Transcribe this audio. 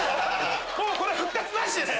もうこれ復活なしです。